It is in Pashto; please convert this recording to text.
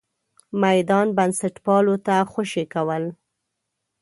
میدان بنسټپالو ته خوشې کول.